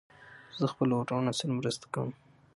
زه د خپلو وروڼو سره مرسته کوم.